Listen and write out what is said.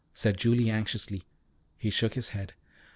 said Julie anxiously. He shook his head.